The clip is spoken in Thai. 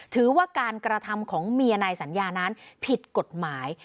ถือว่าการกระทำของเมียนายสัญญานั้นผิดกฎหมาย